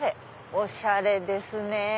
おしゃれですねぇ！